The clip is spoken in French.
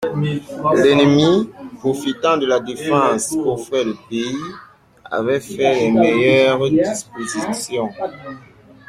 L'ennemi, profitant de la défense qu'offrait le pays, avait fait les meilleures dispositions.